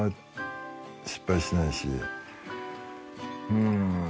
うん。